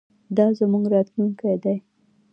دا زموږ راتلونکی دی.